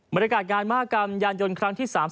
บริกัดงานมากกำยานยนต์ครั้งที่๓๔